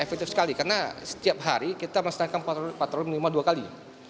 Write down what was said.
efektif sekali karena setiap hari kita melaksanakan patroli minimal dua kali